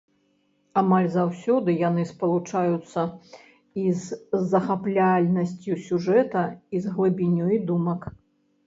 Амаль заўсёды яны спалучаюцца і з захапляльнасцю сюжэта, і з глыбінёй думак.